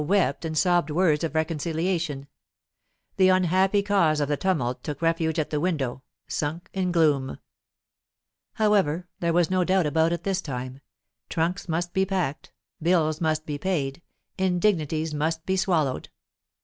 Zillah wept and sobbed words of reconciliation. The unhappy cause of the tumult took refuge at the window, sunk in gloom. However, there was no doubt about it this time; trunks must be packed, bills must be paid, indignities must be swallowed.